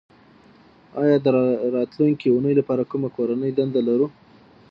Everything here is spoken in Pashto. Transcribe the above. ایا د راتلونکې اونۍ لپاره کومه کورنۍ دنده لرو